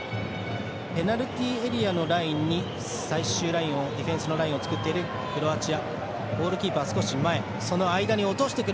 ペナルティーエリアのラインにディフェンスラインを作っているクロアチア。